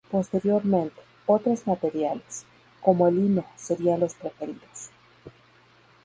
Posteriormente, otros materiales, como el lino, serían los preferidos.